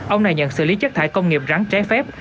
ông này nhận xử lý chất thải công nghiệp rắn trái phép